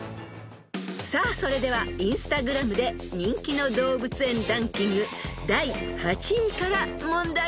［さあそれではＩｎｓｔａｇｒａｍで人気の動物園ランキング第８位から問題］